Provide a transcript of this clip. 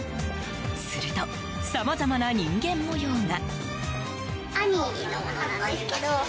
すると、さまざまな人間模様が。